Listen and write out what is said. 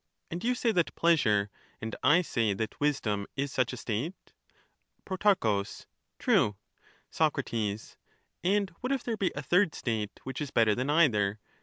And you say that pleasure, and I say that wisdom, is such a state ? Pro. True. Soc. And what if there be a third state, which is better than either